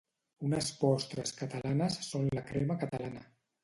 Unes postres catalanes són la crema catalana.